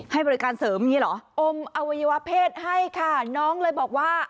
ให้บริการเสริมอย่างนี้เหรออมอวัยวะเพศให้ค่ะน้องเลยบอกว่า